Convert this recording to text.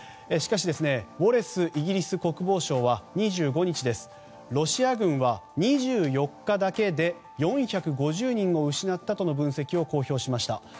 しかしウォレス、イギリス国防相は２５日ロシア軍は２４日だけで４５０人を失ったとの分析を公表しました。